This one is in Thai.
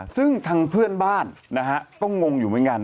ซึ่งทางเพื่อนบ้านนะฮะก็งงอยู่เหมือนกัน